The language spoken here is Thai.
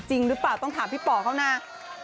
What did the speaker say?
จริงหรือเปล่าต้องถามพี่ป่อเขานะ